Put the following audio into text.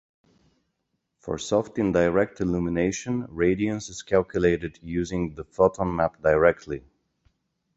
For soft indirect illumination, radiance is calculated using the photon map directly.